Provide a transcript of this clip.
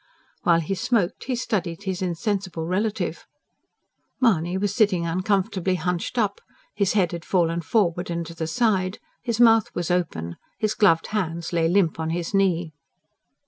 While he smoked, he studied his insensible relative. Mahony was sitting uncomfortably hunched up; his head had fallen forward and to the side, his mouth was open, his gloved hands lay limp on his knee.